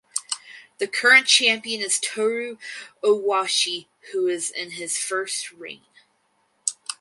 The current champion is Toru Owashi who is in his first reign.